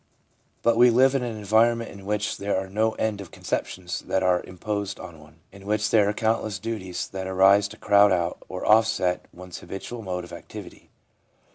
But we live in an environment in which there are no end of conceptions that are imposed on one, in which there are countless duties that arise to crowd out or offset one's habitual mode of activity.